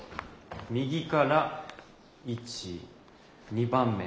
右から１２番目。